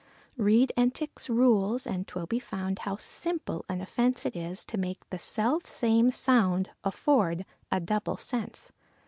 Read Entick's rules, and 'twill be found, how simple an offence It is to make the self same sound afford a double sense.